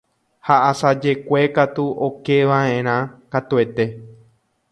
Ha asajekue katu okeva'erã katuete.